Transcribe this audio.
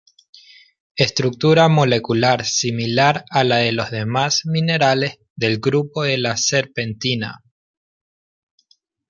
Estructura molecular similar a la de los demás minerales del grupo de la serpentina.